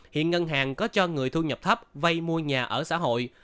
hiện ngân hàng có cho người thu nhập thấp vay mua nhà ở xã hội